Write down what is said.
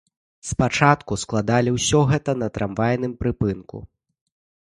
Спачатку складалі ўсё гэта на трамвайным прыпынку.